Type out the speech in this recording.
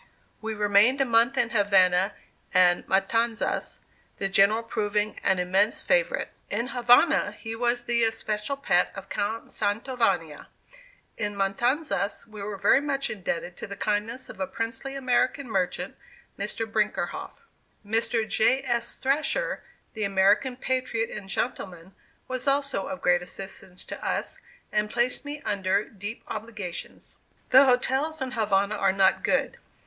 We remained a month in Havana and Matanzas, the General proving an immense favorite. In Havana he was the especial pet of Count Santovania. In Matanzas we were very much indebted to the kindness of a princely American merchant, Mr. Brinckerhoff. Mr. J. S. Thrasher, the American patriot and gentleman, was also of great assistance to us, and placed me under deep obligations. The hotels in Havana are not good.